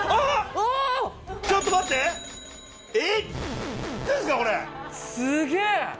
ちょっと待って⁉すげぇ！